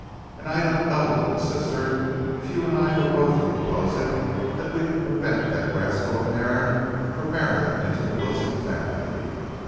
And I don't know, little sister, if you and I were both to oppose it, that we could prevent that rascal of an Aaron from marrying into the Wilson family.